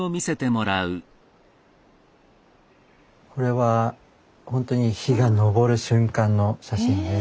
これはほんとに日が昇る瞬間の写真です。